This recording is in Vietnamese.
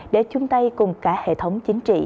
để chung tay cùng cả hệ thống chính trị